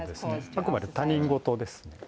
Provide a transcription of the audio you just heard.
あくまで他人事ですね。